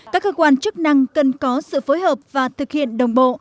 các cơ quan chức năng cần có sự phối hợp và thực hiện đồng bộ